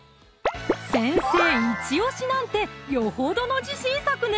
先生イチオシなんてよほどの自信作ね